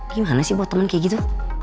gimana sih buat temen kayak gitu